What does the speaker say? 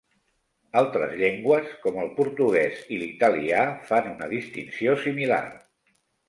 Altres llengües, com el portuguès i l'italià, fan una distinció similar.